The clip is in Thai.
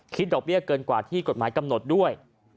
ดอกเบี้ยเกินกว่าที่กฎหมายกำหนดด้วย